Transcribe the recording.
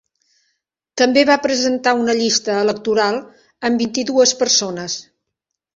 També va presentar una llista electoral amb vint-i-dues persones.